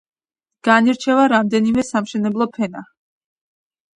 განირჩევა რამდენიმე სამშენებლო ფენა.